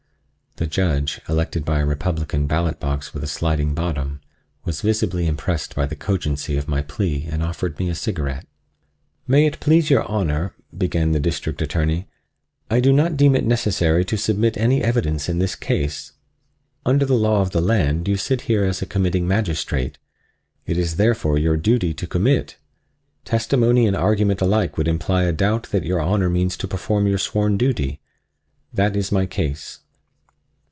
The Judge, elected by a Republican ballot box with a sliding bottom, was visibly impressed by the cogency of my plea and offered me a cigarette. "May it please your Honor," began the District Attorney, "I do not deem it necessary to submit any evidence in this case. Under the law of the land you sit here as a committing magistrate. It is therefore your duty to commit. Testimony and argument alike would imply a doubt that your Honor means to perform your sworn duty. That is my case."